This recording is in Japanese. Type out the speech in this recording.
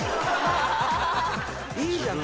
「いいじゃん！